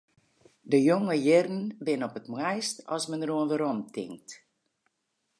De jonge jierren binne op it moaist as men deroan weromtinkt.